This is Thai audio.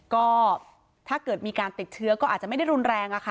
ก็ถ้าเกิดมีการติดเชื้อก็อาจจะไม่ได้รุนแรงอะค่ะ